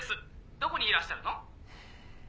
どこにいらっしゃるの！？」